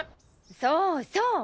そうそう。